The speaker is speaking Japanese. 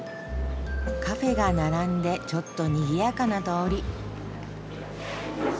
カフェが並んでちょっとにぎやかな通り。